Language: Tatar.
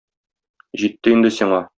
Җитте инде сиңа.